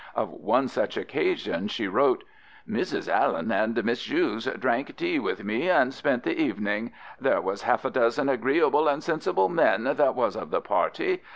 Of one such occasion she wrote: M^{rs} Allen & the Miss Chews drank Tea with me & spent the even'g. There was half a dozen agreable & sensible men that was of the party.